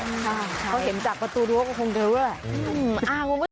เขาเห็นจากประตูดูว่าก็คงเดียวด้วย